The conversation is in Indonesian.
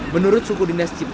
menurut suku dinas tersebut